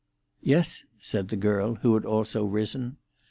"Yes," said the girl, who had also risen.